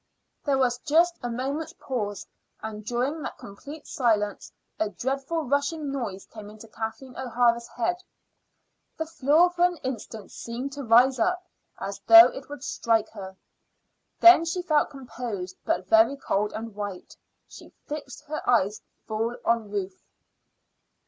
There was just a moment's pause, and during that complete silence a dreadful rushing noise came into Kathleen O'Hara's head. The floor for an instant seemed to rise up as though it would strike her; then she felt composed, but very cold and white. She fixed her eyes full on Ruth.